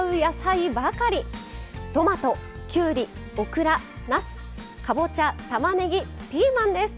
トマトきゅうりオクラなすかぼちゃたまねぎピーマンです。